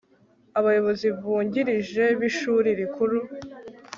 abayobozi bungirije b ishuri rikuru